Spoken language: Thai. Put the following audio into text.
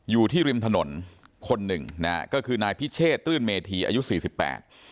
อยู่ที่ริมถนนคนหนึ่งนะฮะก็คือนายพิเชษรื่นเมธีอายุสี่สิบแปด